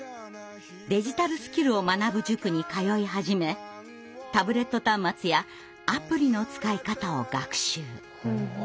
デジタルスキルを学ぶ塾に通い始めタブレット端末やアプリの使い方を学習。